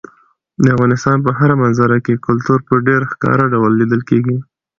د افغانستان په هره منظره کې کلتور په ډېر ښکاره ډول لیدل کېږي.